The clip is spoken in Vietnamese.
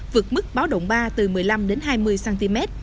vượt mức báo động ba từ một mươi năm đến hai mươi cm